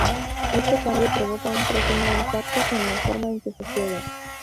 Este cambio provoca un profundo impacto en la forma en que se juega.